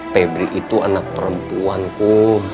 pebri itu anak perempuanku